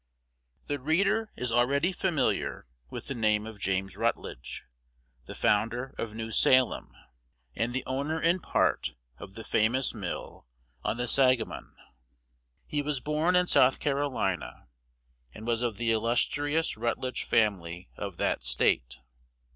THE reader is already familiar with the name of James Rutledge, the founder of New Salem, and the owner in part of the famous mill on the Sangamon. He was born in South Carolina, and was of the illustrious Rutledge family of that State.